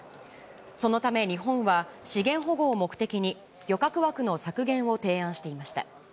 そのため日本は、資源保護を目的に漁獲枠の削減を提案していました。